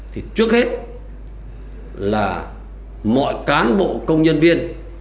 thì trước hết là mọi cán bộ công nhân viên